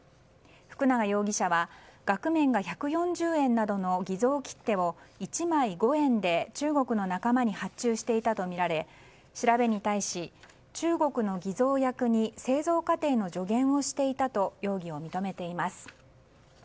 福永容疑者は額面が１４０円などの偽造切手を１枚５円で中国の仲間に発注していたとみられ調べに対し、中国の偽造役に製造過程の助言をしていたと容疑を認めています。